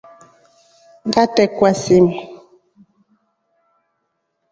Ngatrekwa simu.